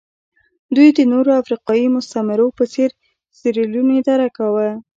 دوی د نورو افریقایي مستعمرو په څېر سیریلیون اداره کاوه.